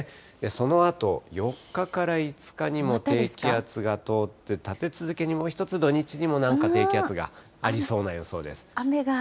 そのあと４日から５日にも低気圧が通って、立て続けにもう１つ、土日にもなんか低気圧がありそうな予想です。